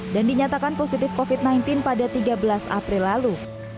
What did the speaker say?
dan dinyatakan positif covid sembilan belas pada tiga belas april lalu